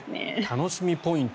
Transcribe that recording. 楽しみポイント